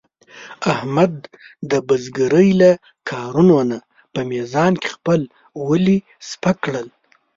احمد د بزرګرۍ له کارونو نه په میزان کې خپل ولي سپک کړل.